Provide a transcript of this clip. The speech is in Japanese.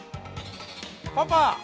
パパ！